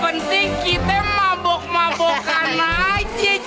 iya penting kita mabok mabokan aja cewek